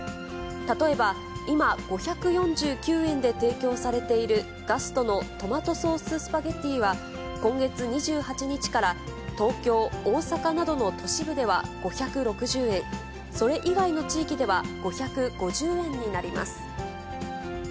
例えば今、５４９円で提供されているガストのトマトソーススパゲティは、今月２８日から、東京、大阪などの都市部では５６０円、それ以外の地域では５５０円になります。